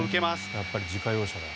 やっぱり自家用車だ。